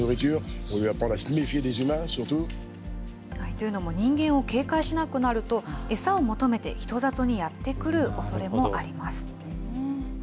というのも、人間を警戒しなくなると、餌を求めて人里にやって来るおそれもあります。